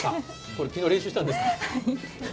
これ練習したんですか？